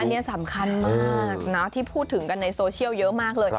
อันนี้สำคัญมากนะที่พูดถึงกันในโซเชียลเยอะมากเลย